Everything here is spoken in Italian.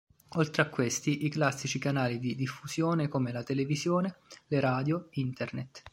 Oltre a questi i classici canali di diffusione come la televisione, le radio, internet.